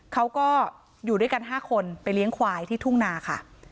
เขาก็อยู่ด้วยกัน๕คนไปเลี้ยงควายที่ทุ่งนาค่ะ